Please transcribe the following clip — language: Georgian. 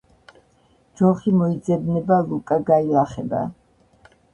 ჯოხი მოიძებნება ლუკა გაილახება